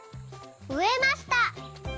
「うえました」。